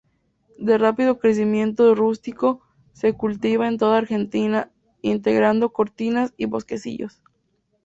De rápido crecimiento, rústico, se cultiva en toda Argentina integrando cortinas y bosquecillos.